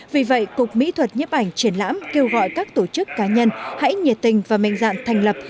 vì vậy cục mỹ thuật nhếp ảnh triển lãm kêu gọi các tổ chức cá nhân hãy nhiệt tình và mệnh dạng thành lập